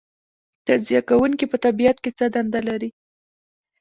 تجزیه کوونکي په طبیعت کې څه دنده لري